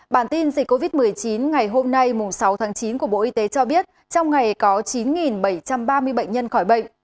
bản tin dịch covid một mươi chín ngày hôm nay sáu tháng chín của bộ y tế cho biết trong ngày có chín bảy trăm ba mươi bệnh nhân khỏi bệnh